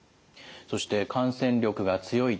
そして感染力が強い。